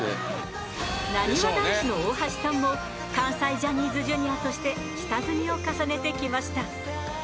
なにわ男子の大橋さんも関西ジャニーズＪｒ．として下積みを重ねてきました。